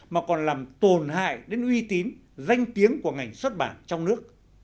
mà còn làm tổn hại đến uy tín danh tiếng của ngành xuất bản trong nước